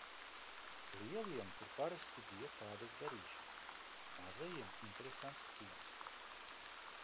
Lieliem tur parasti bija kādas darīšanas, mazajiem interesants ciems.